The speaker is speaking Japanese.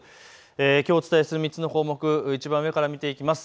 きょうお伝えする３つの項目のいちばん上から見ていきます。